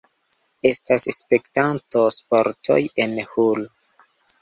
Estas spektanto-sportoj en Hull.